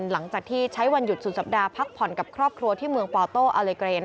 หลังจากที่ใช้วันหยุดสุดสัปดาห์พักผ่อนกับครอบครัวที่เมืองปอโต้อาเลเกรน